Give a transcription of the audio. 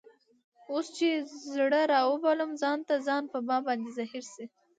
اوس چي زړه رابولم ځان ته ، ځان په ما باندي زهیر سي